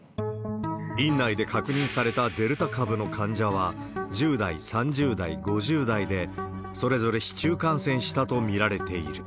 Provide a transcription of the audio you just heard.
院内で確認されたデルタ株の患者は、１０代、３０代、５０代で、それぞれ市中感染したと見られている。